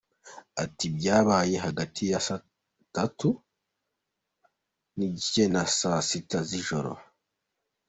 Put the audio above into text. Ati “ Byabaye hagati ya saa tanu n’igice na saa sita z’ijoro.